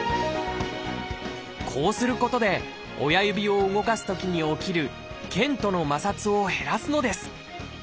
こうすることで親指を動かすときに起きる腱との摩擦を減らすのです。